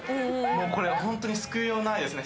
もうこれホントに救いようないですね